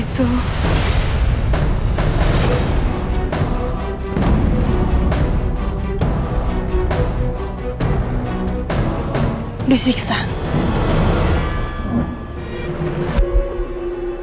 pergi dari belakang